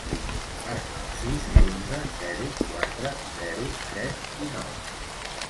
Marca el sis, onze, zero, quatre, zero, set, dinou.